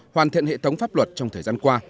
hoàn thiện hệ thống pháp luật trong thời gian qua